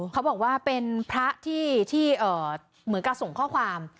เขาบอกว่าเป็นพระที่เหมือนกับส่งข้อความ